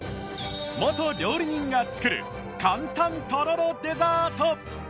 元料理人が作る簡単とろろデザート！